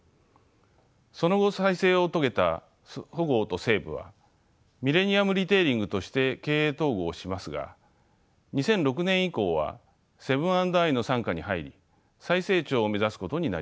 その後再生を遂げたそごうと西武はミレニアムリテイリングとして経営統合しますが２００６年以降はセブン＆アイの傘下に入り再成長を目指すことになりました。